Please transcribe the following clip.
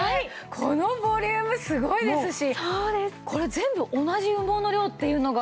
このボリュームすごいですしこれ全部同じ羽毛の量っていうのが。